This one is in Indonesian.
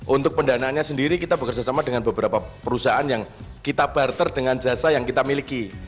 untuk pendanaannya sendiri kita bekerjasama dengan beberapa perusahaan yang kita barter dengan jasa yang kita miliki